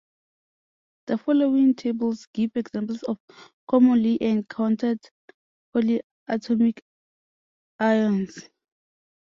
The following tables give examples of commonly encountered polyatomic ions.